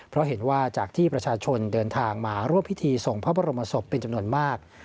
เพราะเห็นว่าจากที่ประชาชนเดินทางมาร่วมพิธีส่งพระบรมศพเป็นจำนวนมาก